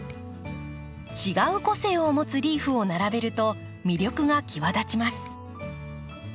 違う個性をもつリーフを並べると魅力がきわだちます。